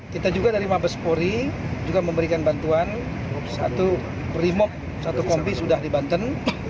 kita juga dari mabespori juga memberikan bantuan satu primop satu kompi sudah di banten